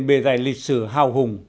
bề dài lịch sử hào hùng